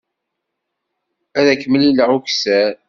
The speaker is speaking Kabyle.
Ad k-mlileɣ ukessar.